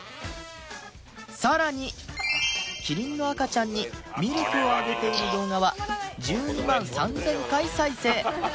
さらにキリンの赤ちゃんにミルクをあげている動画は１２万３０００回再生